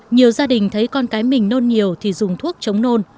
nhiều gia đình thấy con cái mình non nhiều thì dùng thuốc chống non